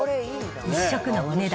１食のお値段